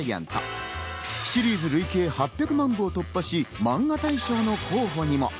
シリーズ累計８００万部を突破し、マンガ大賞の候補にも。